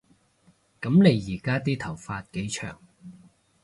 噉你而家啲頭髮幾長